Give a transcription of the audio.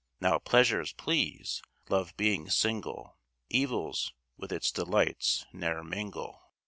Now pleasures please; love being single, Evils with its delights ne'er mingle.